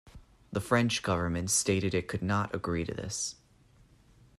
The French government stated it could not agree to this.